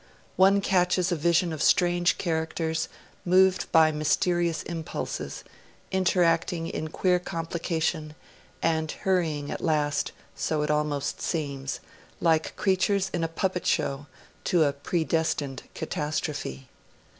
One catches a vision of strange characters, moved by mysterious impulses, interacting in queer complication, and hurrying at last so it almost seems like creatures in a puppet show to a predestined catastrophe.